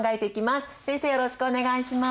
よろしくお願いします。